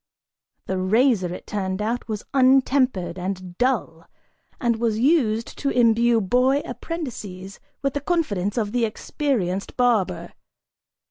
The razor, it turned out, was untempered and dull and was used to imbue boy apprentices with the confidence of the experienced barber.